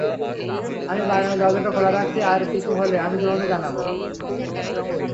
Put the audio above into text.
আমি বাগানের দরজাটা খোলা রাখছি, আর কিছু হলে আমি তোমাকে জানাবো।